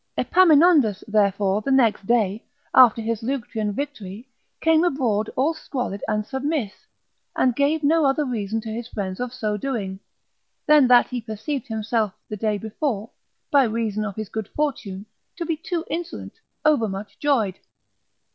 Epaminondas, therefore, the next day after his Leuctrian victory, came abroad all squalid and submiss, and gave no other reason to his friends of so doing, than that he perceived himself the day before, by reason of his good fortune, to be too insolent, overmuch joyed.